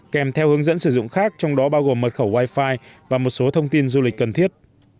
kèm theo hướng dẫn sử dụng khác trong đó bao gồm mật khẩu wifi và một số thông tin du lịch cần thiết